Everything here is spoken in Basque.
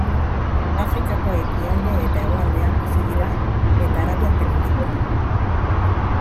Afrikako ekialde eta hegoaldean bizi dira, eta Arabiar Penintsulan.